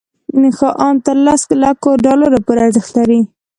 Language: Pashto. ان تر لس لکو ډالرو پورې ارزښت لري.